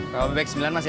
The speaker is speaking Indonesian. bapak bebek sembilan mas ya